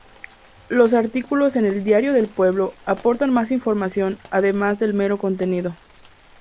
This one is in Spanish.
Los artículos en el "Diario del Pueblo" aportan más información además del mero contenido.